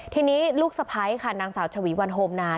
ทีนี้ลูกสะพ้ายค่ะนางสาวชวีวันโฮมนา